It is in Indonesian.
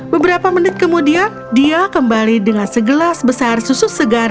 beberapa menit kemudian dia kembali dengan segelas besar susu segar